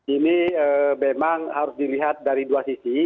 ini memang harus dilihat dari dua sisi